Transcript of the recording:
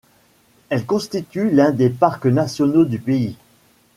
Elle constitue l'un des parcs nationaux du pays.